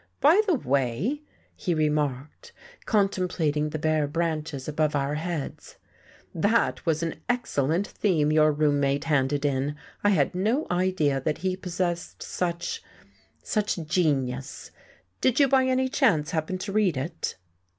"By the way," he remarked, contemplating the bare branches above our heads, "that was an excellent theme your roommate handed in. I had no idea that he possessed such such genius. Did you, by any chance, happen to read it?"